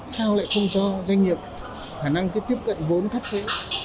sao lại không cho doanh nghiệp khả năng cái tiếp cận vốn thấp thế